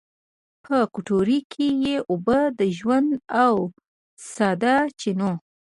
په کټورې کې یې اوبه، د ژوند او سا د چېنو